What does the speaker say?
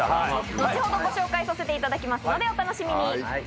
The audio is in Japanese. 後ほどご紹介させていただきますのでお楽しみに。